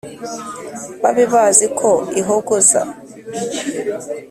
babe bazi ko ihogoza